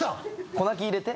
子泣き入れて。